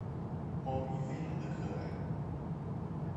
猫咪非常的可爱